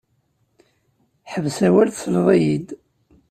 Ḥbes awal tesleḍ-iyi-d.